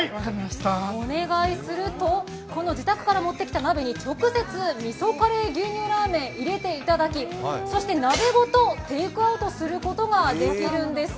お願いすると、この自宅から持ってきた鍋に直接味噌カレー牛乳ラーメン入れていただきそして鍋ごとテイクアウトすることができるんです。